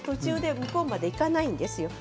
向こうまでいかないんですよ。